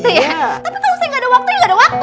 tapi kalau saya gak ada waktu ya gak ada waktu